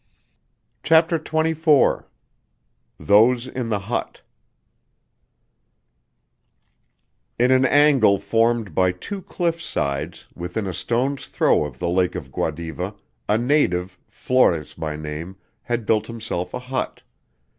CHAPTER XXIV Those in the Hut In an angle formed by two cliff sides, within a stone's throw of the lake of Guadiva, a native, Flores by name, had built himself a hut.